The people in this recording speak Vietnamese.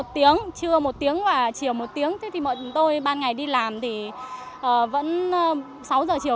một tiếng trưa một tiếng và chiều một tiếng thế thì bọn tôi ban ngày đi làm thì vẫn sáu giờ chiều